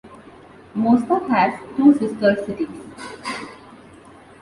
Mosta has two "sister cities"